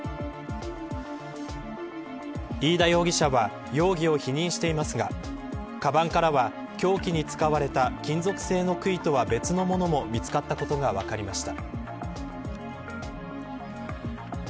飯田容疑者は容疑を否認していますがかばんからは、凶器に使われた金属製の杭とは別のものも見つかったことが分かりました。